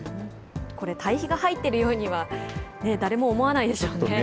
これ、堆肥が入っているようには誰も思わないでしょうね。